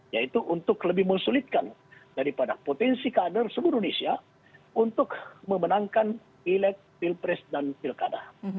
yaitu untuk lebih mensulitkan daripada potensi kader seluruh indonesia untuk memenangkan pileg pilpres dan pilkada